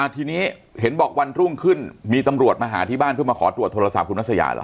ทีนี้เห็นบอกวันรุ่งขึ้นมีตำรวจมาหาที่บ้านเพื่อมาขอตรวจโทรศัพท์คุณนัชยาเหรอ